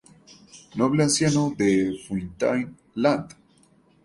Noble anciano de Fountain Land.